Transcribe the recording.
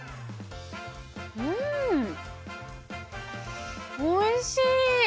うんおいしい！